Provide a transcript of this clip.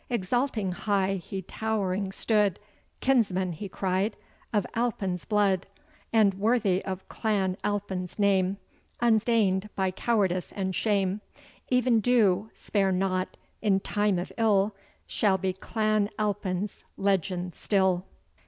Exulting high, he towering stood: "Kinsmen," he cried, "of Alpin's blood, And worthy of Clan Alpin's name, Unstain'd by cowardice and shame, E'en do, spare nocht, in time of ill Shall be Clan Alpin's legend still!"